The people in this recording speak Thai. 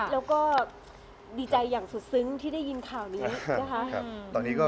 แล้วก็ดีใจอย่างสุดซึ้งที่ได้ยินข่าวนี้นะคะ